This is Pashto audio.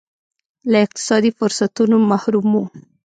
له اقتصادي فرصتونو محروم وو.